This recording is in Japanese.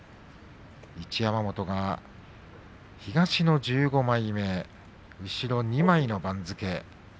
一山本は東の１５枚目後ろ２枚の番付。